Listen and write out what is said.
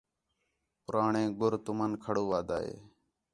پُراݨے گُر تُمن کھڑو آدا ہے